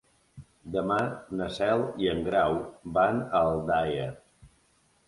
Demà na Cel i en Grau van a Aldaia.